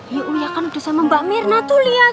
ya uya kan udah sama mbak mirna tuh liat